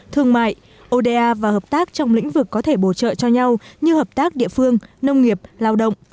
thương mại oda và hợp tác trong lĩnh vực có thể bổ trợ cho nhau như hợp tác địa phương nông nghiệp lao động